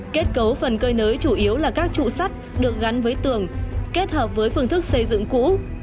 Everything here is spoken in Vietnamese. kết cấu phần cơi nới chủ yếu là các trụ sắt được gắn với tường kết hợp với phương thức xây dựng cũ